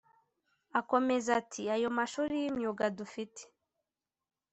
Akomeza ati “ Ayo mashuri y’imyuga dufite